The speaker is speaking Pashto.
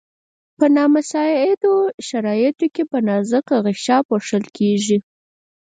په نامساعدو شرایطو کې په نازکه غشا پوښل کیږي.